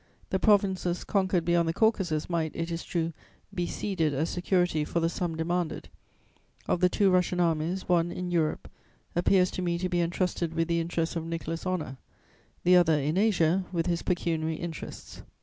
The provinces conquered beyond the Caucasus might, it is true, be ceded as security for the sum demanded: of the two Russian armies, one, in Europe, appears to me to be entrusted with the interests of Nicholas' honour; the other, in Asia, with his pecuniary interests.